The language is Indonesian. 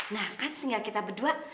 nah kan tinggal kita berdua